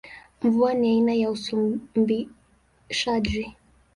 Mvua ni aina ya usimbishaji.